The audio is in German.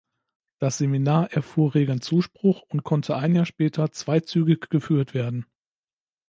Das Seminar erfuhr regen Zuspruch und konnte ein Jahr später zweizügig geführt werden.